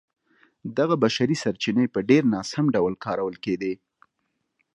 دغه بشري سرچینې په ډېر ناسم ډول کارول کېدې.